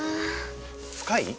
深い？